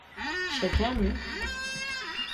Şeker mi?